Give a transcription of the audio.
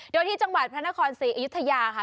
เดี๋ยวที่จังหวัดพระนคร๔อยุธยาค่ะ